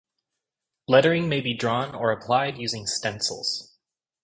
Lettering may be drawn or applied using stencils.